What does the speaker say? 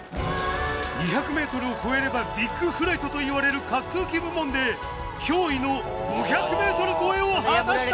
２００ｍを越えればビッグフライトと言われる滑空機部門で驚異の５００ｍ越えを果たした！